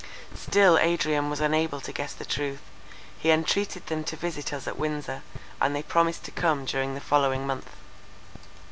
Still Adrian was unable to guess the truth; he entreated them to visit us at Windsor, and they promised to come during the following month.